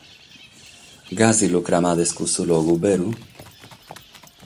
Gasi lu cramades cussu logu, beru?